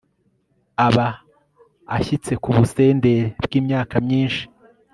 aba ashyitse ku busendere bw'imyaka myinshi